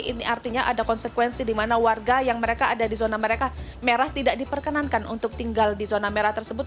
ini artinya ada konsekuensi di mana warga yang mereka ada di zona mereka merah tidak diperkenankan untuk tinggal di zona merah tersebut